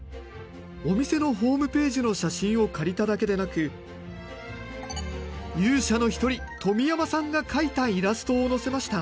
お店のホームページの写真を借りただけでなく勇者の一人富山さんが描いたイラストをのせました。